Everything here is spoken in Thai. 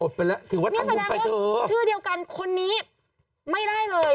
อดไปแล้วถือว่าทำลูกไปเถอะนี่แสดงว่าชื่อเดียวกันคนนี้ไม่ได้เลย